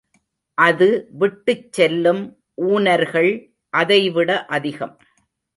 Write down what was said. அது விட்டுச் செல்லும் ஊனர்கள் அதைவிட அதிகம்.